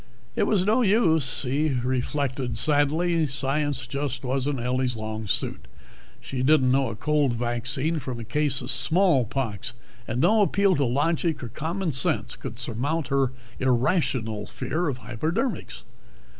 It was no use, he reflected sadly. Science just wasn't Ellie's long suit; she didn't know a cold vaccine from a case of smallpox, and no appeal to logic or common sense could surmount her irrational fear of hypodermics.